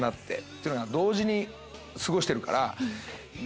っていうのが同時に過ごしてるから。